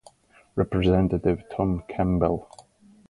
Representative Tom Campbell.